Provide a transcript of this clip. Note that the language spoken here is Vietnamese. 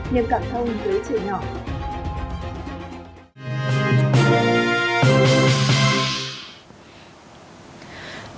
nhưng cận thông với trẻ nhỏ